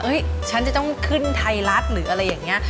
ฉันจะต้องขึ้นไทยรัฐหรืออะไรอย่างนี้